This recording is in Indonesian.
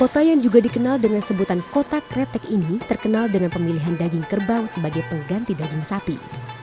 kota yang juga dikenal dengan sebutan kota kretek ini terkenal dengan pemilihan daging kerbau sebagai pengganti daging sapi